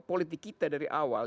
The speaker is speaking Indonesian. politik kita dari awal